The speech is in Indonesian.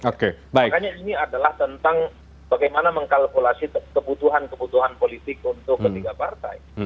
makanya ini adalah tentang bagaimana mengkalkulasi kebutuhan kebutuhan politik untuk ketiga partai